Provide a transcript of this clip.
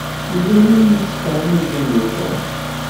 Yella win i yettfeṛṛiǧen deg Tom.